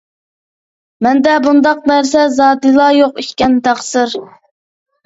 مەندە بۇنداق نەرسە زادىلا يوق ئىكەن، تەقسىر.